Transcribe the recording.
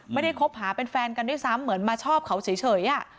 คบหาเป็นแฟนกันด้วยซ้ำเหมือนมาชอบเขาเฉย